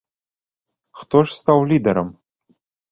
Хто ж стаў лідарам?